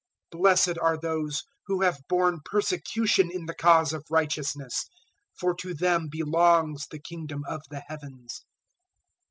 005:010 "Blessed are those who have borne persecution in the cause of Righteousness, for to them belongs the Kingdom of the Heavens.